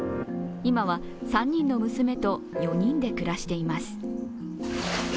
今は３人の娘と４人で暮らしています。